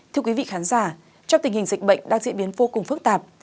thưa quý vị khán giả trong tình hình dịch bệnh đang diễn biến vô cùng phức tạp